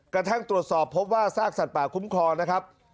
กระทั่งตรวจสอบพบว่าซากสัตว์ป่าคุ้มครองนะครับ